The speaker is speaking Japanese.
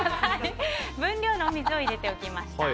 分量の水を入れておきました。